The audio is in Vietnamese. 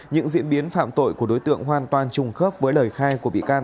những diễn biến phạm tội của đối tượng hoàn toàn trùng khớp với lời khai của bị can